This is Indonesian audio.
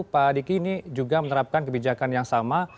pak diki ini juga menerapkan kebijakan yang sama